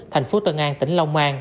thành phố tân an tỉnh long an